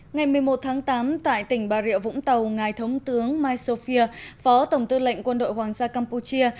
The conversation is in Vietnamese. ngày một mươi một tháng tám tại tỉnh bà rịa vũng tàu ngài thống tướng misofia phó tổng tư lệnh quân đội hoàng gia campuchia